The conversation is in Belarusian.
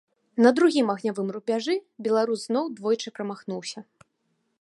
На другім агнявым рубяжы беларус зноў двойчы прамахнуўся.